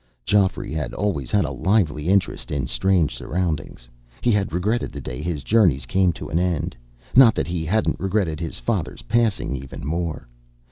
Geoffrey had always had a lively interest in strange surroundings. He had regretted the day his journeyings came to an end not that he hadn't regretted his father's passing even more.